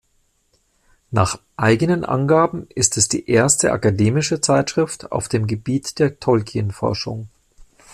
Nach eigenen Angaben ist es die erste akademische Zeitschrift auf dem Gebiet der Tolkien-Forschung.